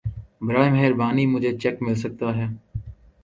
براہ مہربانی مجهے چیک مل سکتا ہے